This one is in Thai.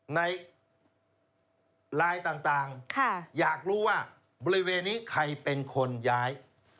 ในไลน์ต่างอยากรู้ว่าบริเวณนี้ใครเป็นคนย้าย